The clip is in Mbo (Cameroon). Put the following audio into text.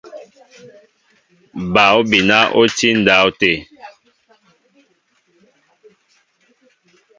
Bal obina oti ndáwte.